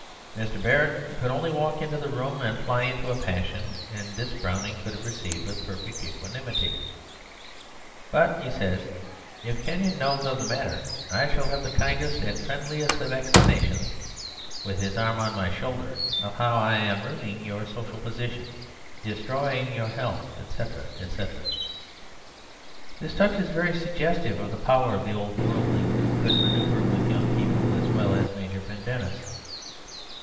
Mr. Barrett could only walk into the room and fly into a passion; and this Browning could have received with perfect equanimity. "But," he says, "if Kenyon knows of the matter, I shall have the kindest and friendliest of explanations (with his arm on my shoulder) of how I am ruining your social position, destroying your health, etc., etc." This touch is very suggestive of the power of the old worldling, who could manoeuvre with young people as well as Major Pendennis.